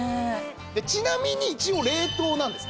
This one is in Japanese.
ちなみに一応冷凍なんですね。